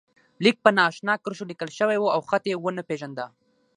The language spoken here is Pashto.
لیک په نا آشنا کرښو لیکل شوی و او خط یې و نه پېژانده.